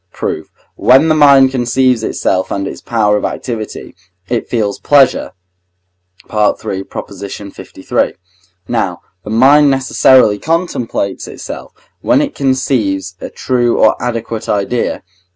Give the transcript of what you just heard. Proof. When the mind conceives itself and its power of activity, it feels pleasure (III. liii.): now the mind necessarily contemplates itself, when it conceives a true or adequate idea (II.